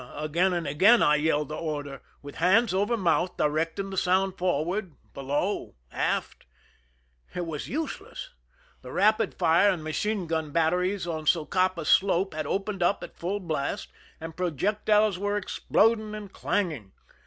Again and again I yelled the order, with hands over mouth, directing the sound forward, below, aft. It was useless. The rapid fire and machine gun batteries on Socapa slope had opened up at full blast, and projectiles were exploding and clanging.